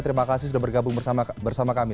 terima kasih sudah bergabung bersama kami